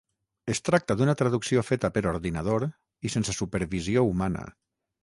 Es tracta d’una traducció feta per ordinador i sense supervisió humana.